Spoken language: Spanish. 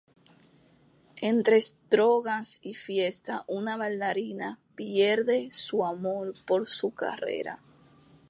Entre drogas y fiestas una bailarina pierde su amor por su carrera.